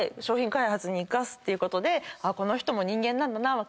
商品開発に生かすっていうことでこの人も人間なんだな。